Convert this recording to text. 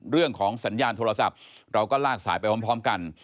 เรื่องของสัญญาณโทรศัพท์เราก็ลากสายไปพร้อมกัน